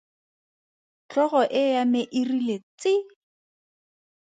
Tlhogo e ya me e rile tsi!